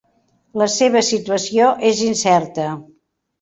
La seva situació és incerta.